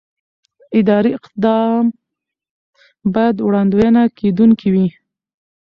اداري اقدام باید وړاندوينه کېدونکی وي.